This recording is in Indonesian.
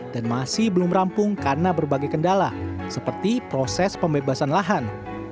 dan masih belum rampung karena berbagai kendala seperti proses pembebasan lahan